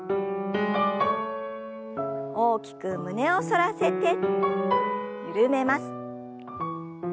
大きく胸を反らせて緩めます。